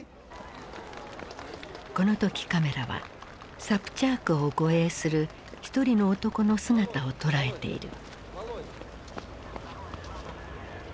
この時カメラはサプチャークを護衛する一人の男の姿を捉えている。